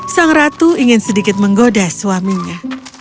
sang ratu ingin sedikit menggoda suaminya